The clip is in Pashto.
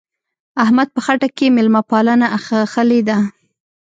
احمد په خټه کې مېلمه پالنه اخښلې ده.